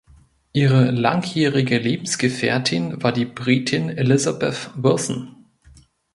Ihre langjährige Lebensgefährtin war die Britin Elizabeth Wilson.